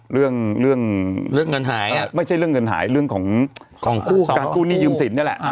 เรื่องเรื่องเงินหายไม่ใช่เรื่องเงินหายเรื่องของการกู้หนี้ยืมสินนี่แหละ